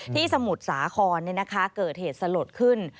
ที่สมุทรสาครเนี่ยนะคะเกิดเหตุสลดขึ้น